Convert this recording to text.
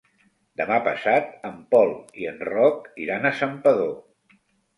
Demà passat en Pol i en Roc iran a Santpedor.